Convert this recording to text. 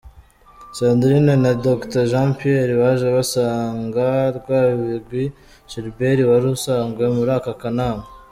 Sandrine na Dr Jean Pierre baje basanga Rwabigwi Gilbert wari usanzwe muri aka akanama .